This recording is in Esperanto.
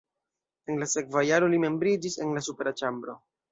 En la sekva jaro li membriĝis en la supera ĉambro.